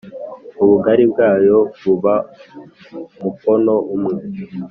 ubugari bwayo buba mukono umwe